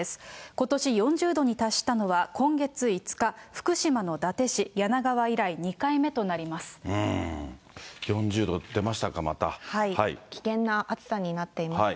ことし４０度に達したのは、今月５日、福島の伊達市やながわ以来、４０度出ましたか、危険な暑さになっていますね。